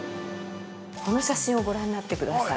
この写真をご覧になってください。